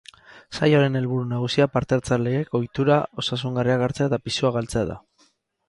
Saioaren helburu nagusia parte-hartzaileek ohitura osasungarriak hartzea eta pisua galtzea da.